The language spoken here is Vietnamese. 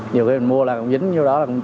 nhiều khi mình mua là cũng dính